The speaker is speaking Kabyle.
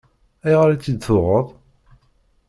Ayɣer i tt-id-tuɣeḍ?